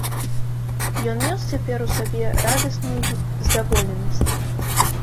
Ён нёс цяпер у сабе радасную здаволенасць.